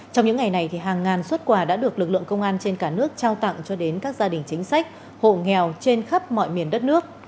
trong những ngày này hàng ngàn xuất quà đã được lực lượng công an trên cả nước trao tặng cho đến các gia đình chính sách hộ nghèo trên khắp mọi miền đất nước